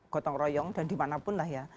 gotong royong dan dimanapun lah ya